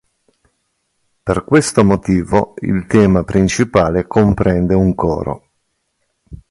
Per questo motivo il tema principale comprende un coro.